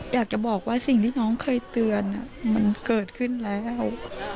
อยากจะบอกว่าสิ่งที่น้องเคยเตือนมันเกิดขึ้นแล้ว